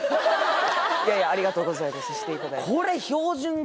いやいやありがとうございますしていただいてこれ標準語？